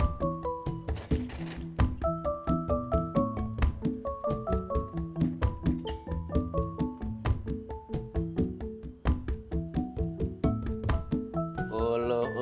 nggak ada apa apa